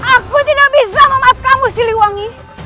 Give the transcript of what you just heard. aku tidak bisa memaafkanmu siliwangi